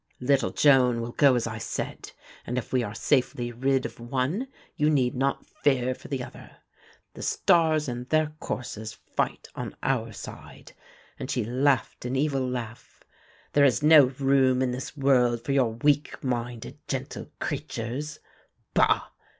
Little Joan will go as I said; and if we are safely rid of one you need not fear for the other. The stars in their courses fight on our side," and she laughed an evil laugh. "There is no room in this world for your weak minded gentle creatures, bah!